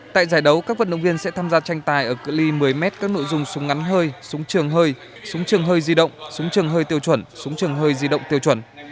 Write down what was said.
tại giải đấu các vận động viên sẽ tham gia tranh tài ở cửa ly một mươi m các nội dung súng ngắn hơi súng trường hơi súng trường hơi di động súng trường hơi tiêu chuẩn súng trường hơi di động tiêu chuẩn